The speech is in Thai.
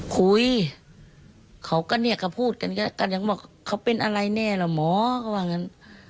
คุยเขาก็เนี่ยกับพูดกันยังบอกเขาเป็นอะไรแน่เหรอหมอก็ว่าอย่างนั้น